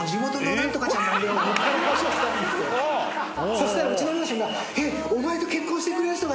そしたらうちの両親が。